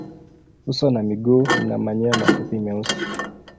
Uso na miguu ina manyoya mafupi meusi.